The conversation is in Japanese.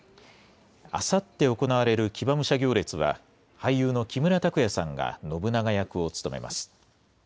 あさって行われる騎馬武者行列は、俳優の木村拓哉さんが信長役を務めます。